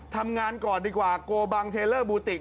ทำงานก่อนดีกว่าโกบังเทลเลอร์บูติก